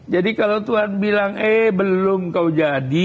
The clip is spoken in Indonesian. jadi kalau tuhan bilang eh belum kau jadi